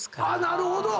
なるほど。